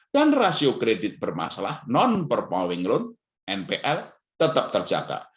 dan rasio kredit bermasalah non performing loan npl tetap terjaga